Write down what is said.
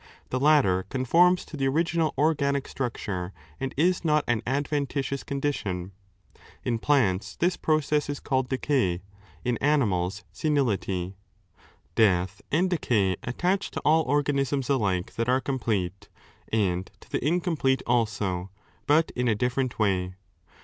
The latter conforms to the original organic structure, and is not an adventitious condition. In plants this process is called decay ; in 2 animals, senility. Death and decay attach to all organ isms alike that are complete, and to the incomplete also, but in a different way.